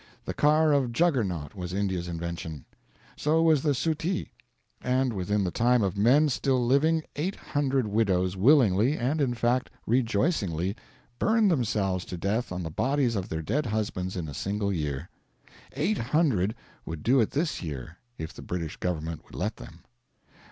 The Car of Juggernaut was India's invention. So was the Suttee; and within the time of men still living eight hundred widows willingly, and, in fact, rejoicingly, burned themselves to death on the bodies of their dead husbands in a single year. Eight hundred would do it this year if the British government would let them.